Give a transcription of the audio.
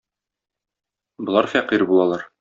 Болар фәкыйрь булалар.